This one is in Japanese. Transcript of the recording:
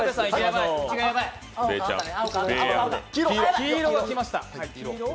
黄色がきました。